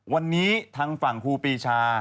วันนี้ทางฝั่งครูปีชา